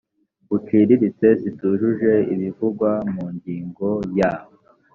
buciriritse zitujuje ibivugwa mu ngingo ya